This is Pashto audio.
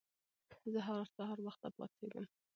زه هر سهار وخته پاڅيږم